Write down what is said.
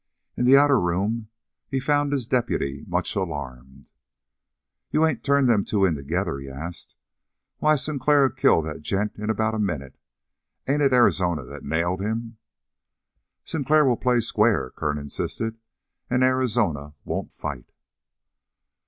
In the outer room he found his deputy much alarmed. "You ain't turned them two in together?" he asked. "Why, Sinclair'll kill that gent in about a minute. Ain't it Arizona that nailed him?" "Sinclair will play square," Kern insisted, "and Arizona won't fight!"